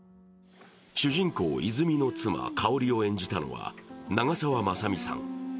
主人公、泉の妻・香織を演じたのは長澤まさみさん。